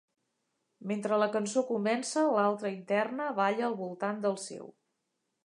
Mentre la cançó comença, l'altra interna balla al voltant del seu.